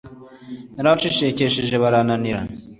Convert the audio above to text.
narabacecekeshejebarananira